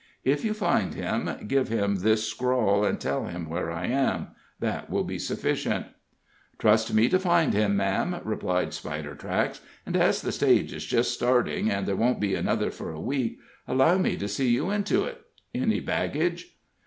If you find him, give him this scrawl and tell him where I am that will be sufficient." "Trust me to find him, ma'am," replied Spidertracks. "And as the stage is just starting, and there won't be another for a week, allow me to see you into it. Any baggage?"